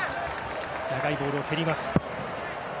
長いボールを蹴りました。